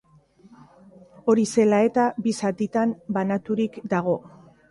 Hori zela eta bi zatitan banaturik dago.